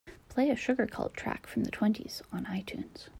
Play a Sugarcult track from the twenties on Itunes